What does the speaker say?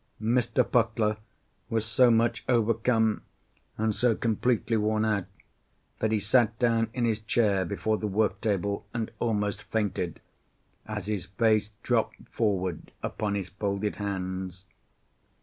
Mr. Puckler was so much overcome and so completely worn out that he sat down in his chair before the work table and almost fainted, as his face dropped forward upon his folded hands.